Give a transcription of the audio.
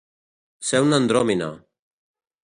Ser una andròmina.